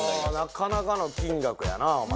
なかなかの金額やなお前。